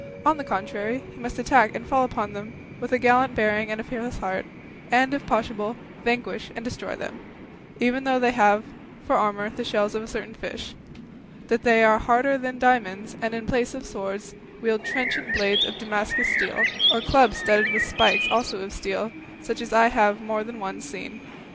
On the contrary, he must attack and fall upon them with a gallant bearing and a fearless heart, and, if possible, vanquish and destroy them, even though they have for armour the shells of a certain fish, that they say are harder than diamonds, and in place of swords wield trenchant blades of Damascus steel, or clubs studded with spikes also of steel, such as I have more than once seen.